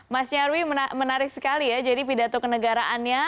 mas nyarwi menarik sekali ya jadi pidato kenegaraannya